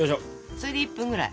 それで１分ぐらい。